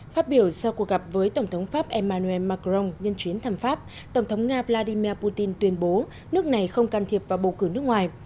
phát biểu sau cuộc gặp với tổng thống pháp emmanuel macron nhân chuyến thăm pháp tổng thống nga vladimir putin tuyên bố nước này không can thiệp vào bầu cử nước ngoài